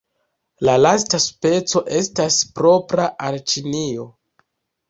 La lasta speco estas propra al Ĉinio.